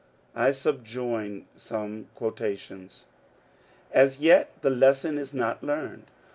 I subjoin some quotations :— As yet the lesson is not learned.